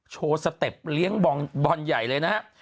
โชว์สเต็บเลี้ยงบอลใหญ่เลยนะฮะ